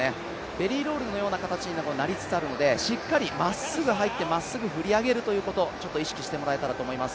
ベリーロールのような形になりつつあるので、しっかりまっすぐ入ってまっすぐ振り上げるということを意識してもらえたらと思います。